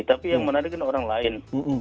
tapi yang menariknya orang lain